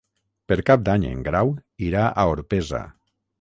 Per Cap d'Any en Grau irà a Orpesa.